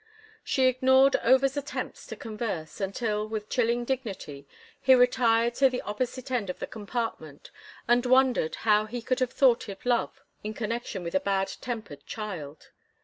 She ignored Over's attempts to converse until, with chilling dignity, he retired to the opposite end of the compartment and wondered how he could have thought of love in connection with a bad tempered child.